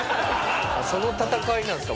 その戦いなんですか？